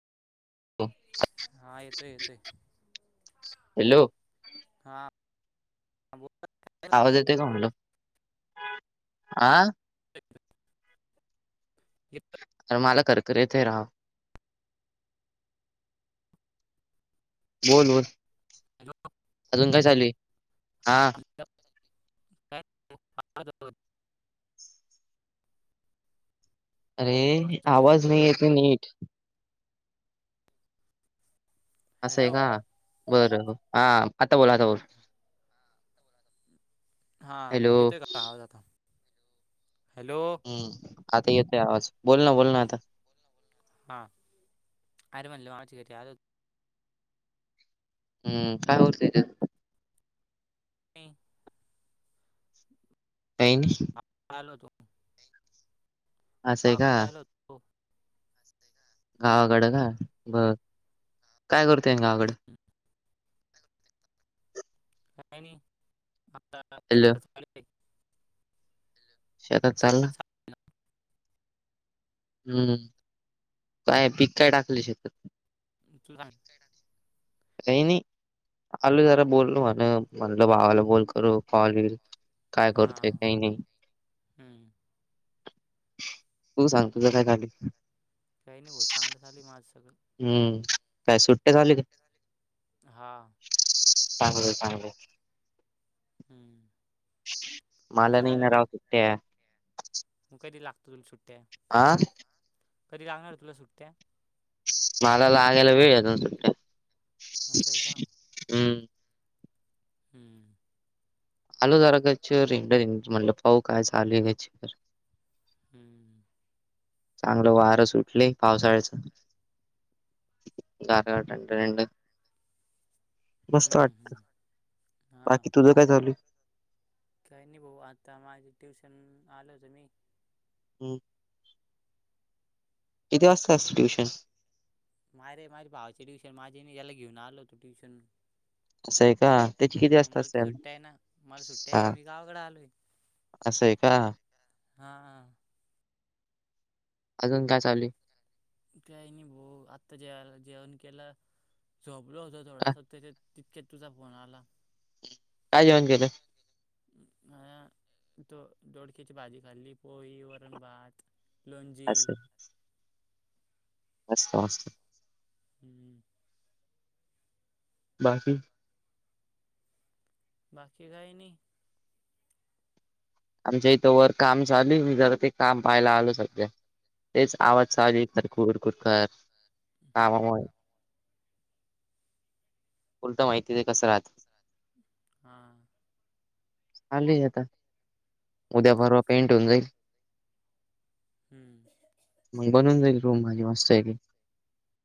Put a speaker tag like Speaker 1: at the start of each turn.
Speaker 1: हा येतोय येतोय.
Speaker 2: हॅलो
Speaker 1: हा बोल
Speaker 2: आवाज येते का मुलं आ
Speaker 1: ह
Speaker 2: तर मला कर्करीथे राहा. बोल बोल अजून काय चालू आहे हा.
Speaker 1: न
Speaker 2: अरे आवाज नाही येतती नीट. असं आहे
Speaker 1: हॅलो
Speaker 2: का बर हा आता बोलातावर.
Speaker 1: हां
Speaker 2: हॅलो
Speaker 1: येतोय का आवाज आता हॅलो.
Speaker 2: हम आता येतोय आवाज बोल ना बोल ना आता
Speaker 1: हा अर मनल माच कतीे आ
Speaker 2: हम्म काय होरतय.
Speaker 1: ह
Speaker 2: नाहीय नाही.
Speaker 1: ल होत
Speaker 2: असं आहे का
Speaker 1: कालो
Speaker 2: गावाकडं का बघ काय करतो गावाकड
Speaker 1: हम्म. काय नाही आता
Speaker 2: हॅलो शेतात चालला. हम्म काय पीक काय टाकले शकात.
Speaker 1: तू सांग.
Speaker 2: का नाही आलू
Speaker 1: बा.
Speaker 2: जरा बोललो म्हण म्हणल बावाला बोल करू कॉल येईल. काय
Speaker 1: हा
Speaker 2: करतेय काही नाही.
Speaker 1: हम्म.
Speaker 2: तू सांग तुझ काय खाली
Speaker 1: काही नाही हो चांगलं झाले माझं सगळं.
Speaker 2: हम्म काय सुट्ट्या झाले का?
Speaker 1: हा
Speaker 2: चांगलं चांगलं.
Speaker 1: हम्म
Speaker 2: मला
Speaker 1: तुझं
Speaker 2: नाही
Speaker 1: काय
Speaker 2: ना
Speaker 1: झालं.
Speaker 2: राव सुट्ट्या
Speaker 1: मग कधी लागतो तुला सुुट्ट्या
Speaker 2: आ
Speaker 1: कधी लागणार तुला सुट्ट्या
Speaker 2: मला लागायला वेळ सुट
Speaker 1: हस आहे का?
Speaker 2: हम्म
Speaker 1: हम
Speaker 2: आलो जरा गचवर रंडं म्हटलं पाऊ काय चालूवर
Speaker 1: हम्
Speaker 2: चांगलं वारं सुटले पावसाळ्याच गारटंड मस्त
Speaker 1: हम्म,
Speaker 2: वाटत
Speaker 1: हम्म. हा
Speaker 2: बाकी तुझ काय चाल
Speaker 1: काही नाही भाऊ आता माझे ट्युशन आलं होतं मी
Speaker 2: हम् किती वाजत अस ट्युशन
Speaker 1: मझे म माझे भाचे ट्युशन माझे याला घेऊन आल त ट्युशन
Speaker 2: असं आहे का त्याची किती
Speaker 1: हा
Speaker 2: वाजता
Speaker 1: मला
Speaker 2: असते
Speaker 1: तर सुट्ट आहे ना मला सुट्ट्या आहे
Speaker 2: हा
Speaker 1: ना मी गावाकडे आलोय
Speaker 2: असं आहे का
Speaker 1: हा हा
Speaker 2: अजून काय चालू
Speaker 1: काही नाही भो आत्ता जेला जेवण केला झोपलो होत
Speaker 2: का-
Speaker 1: थोडासा त्याच्यात तितक्यात तुझा फोन आला
Speaker 2: काय जेवण केलं
Speaker 1: आजेव गल [unintelligible] तो दोडक्याची भाजी खाल्ली पोई वरन भात लणजी
Speaker 2: असं अस् अस्त
Speaker 1: हम्म
Speaker 2: बाकी
Speaker 1: बाकी काही नाही
Speaker 2: आमच्या इथं वर काम चालू जरा ते काम पाहायला आलो सध्या तेच आवाज चालू ख कुरकुरकर
Speaker 1: हम्म
Speaker 2: कामामुळे उलत माहिती ते कसं राहात
Speaker 1: हा
Speaker 2: चाले आता उद्या
Speaker 1: हम्म
Speaker 2: परवा पेंट होऊन जाईल
Speaker 1: हम्म
Speaker 2: मग बनवून जाईल रूम माझी मस्त पैकी